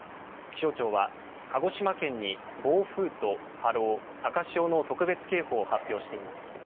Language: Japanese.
気象庁は、鹿児島県に暴風と波浪、高潮の特別警報を発表しています。